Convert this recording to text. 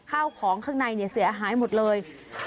ข้าวของข้างในเสียหายหมดเลย